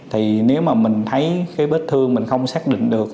thì nếu mà mình thấy cái vết thương mình không xác định được